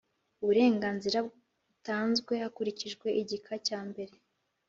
Uburenganzira butanzwe hakurikijwe igika cya mbere